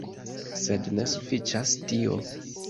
Sed ne sufiĉas tio.